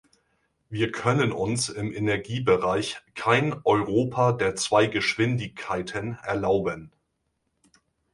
Wir können uns im Energiebereich kein "Europa der zwei Geschwindigkeiten" erlauben.